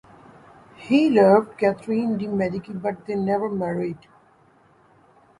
He loved Catherine de' Medici but they never married.